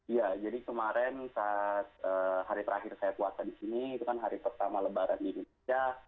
ya jadi kemarin saat hari terakhir saya puasa di sini itu kan hari pertama lebaran di indonesia